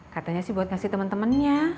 katanya sih buat ngasih temen temennya